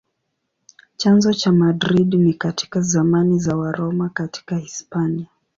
Chanzo cha Madrid ni katika zamani za Waroma katika Hispania.